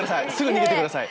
逃げてください。